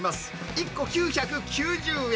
１個９９０円。